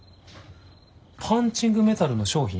パンチングメタルの商品？